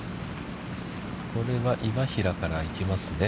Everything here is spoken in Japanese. これは今平から行きますね。